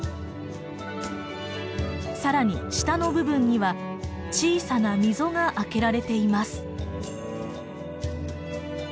更に下の部分には小さな溝が開けられています。